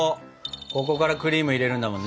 ここからクリーム入れるんだもんね。